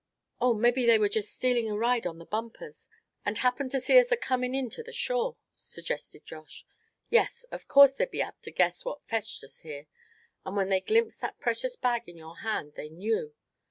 "Oh! mebbe they were just stealing a ride on the bumpers, and happened to see us acomin' in to the shore," suggested Josh. "Yes, of course they'd be apt to guess what fetched us here, and when they glimpsed that precious bag in your hand they knew.